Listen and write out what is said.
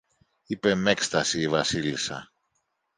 είπε μ' έκσταση η Βασίλισσα